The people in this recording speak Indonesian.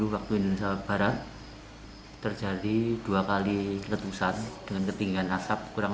sepuluh dua puluh waktu indonesia barat terjadi dua kali ketentusan dengan ketinggian nasab kurang